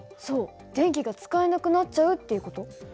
そう電気が使えなくなっちゃうっていう事？